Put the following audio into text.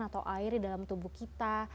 atau air di dalam tubuh kita